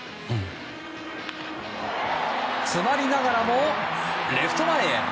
詰まりながらも、レフト前へ。